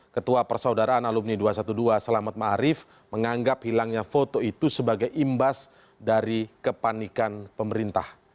ketua persaudaraan alumni dua ratus dua belas selamat ⁇ maarif ⁇ menganggap hilangnya foto itu sebagai imbas dari kepanikan pemerintah